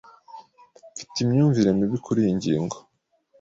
Mfite imyumvire mibi kuriyi ngingo.